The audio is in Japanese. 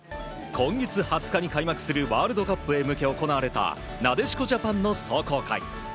今月２０日に開幕するワールドカップへ向け行われたなでしこジャパンの壮行会。